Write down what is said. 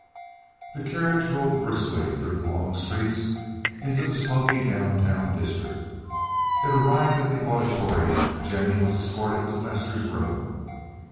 The carriage rolled briskly through the long streets into the smoky down town district. It arrived at the Auditorium, and Jennie was escorted to Lester's room.